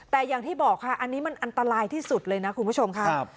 แต่อย่างที่บอกค่ะอันนี้มันอันตรายที่สุดเลยนะคุณผู้ชมค่ะ